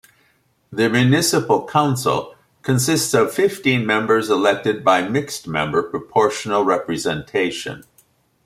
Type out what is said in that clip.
The municipal council consists of fifteen members elected by mixed-member proportional representation.